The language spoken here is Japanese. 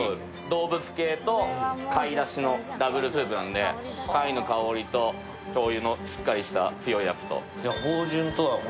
動物系と貝だしのダブルスープなので、貝の香りとしょうゆのしっかりした強いやつと。